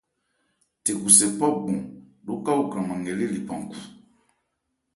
Thekhusɛ phɔ̂ gbɔn lóka o kranman nkɛ lê lephan khu.